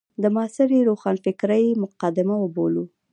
د معاصرې روښانفکرۍ مقدمه وبولو.